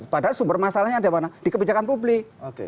padahal sumber masalahnya ada di kebijakan publik